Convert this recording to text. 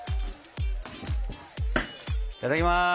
いただきます！